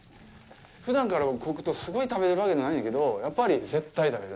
ふだんから僕、黒糖すごい食べてるわけじゃないねんけど、やっぱり絶対食べてる。